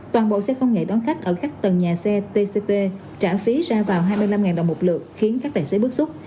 toàn bộ xe công nghệ đón khách ở các tầng nhà xe tcp trả phí ra vào hai mươi năm đồng một lượt khiến các tài xế bức xúc